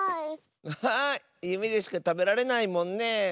アハーゆめでしかたべられないもんね。